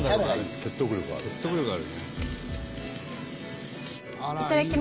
説得力があるね。